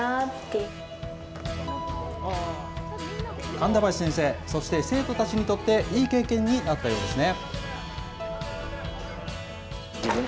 神田橋先生、そして、生徒たちにとって、いい経験になったようですね。